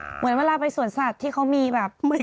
เหมือนเวลาไปสวนสัตว์ที่เขามีแบบมืด